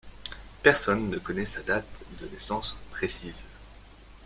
Personne ne connait sa date de naissance précise.